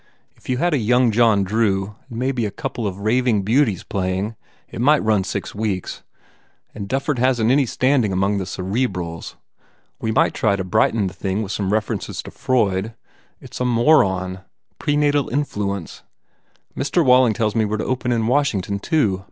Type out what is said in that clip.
If you had a young John Drew and a couple of raving beauties playing it might run six weeks. And Dufford hasn t any standing among the cerebrals. We might try to brighten the thing with some references to the Nourritures Terrestres or Freud. It s a moron. Prenatal influence. Mr. Walling tells me we re to open in Washington, too.